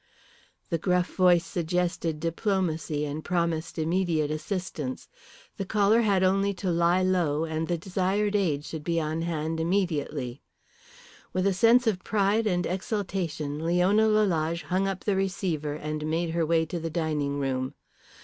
The gruff voice suggested diplomacy, and promised immediate assistance. The caller had only to lie low and the desired aid should be on hand immediately. With a sense of pride and exultation Leona Lalage hung up the receiver and made her way to the dining room.